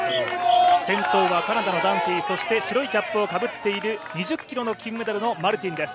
先頭はカナダのダンフィーそして白いキャップをかぶってる２０ｋｍの金メダルのマルティンです